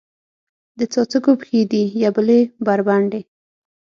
د څاڅکو پښې دي یبلې بربنډې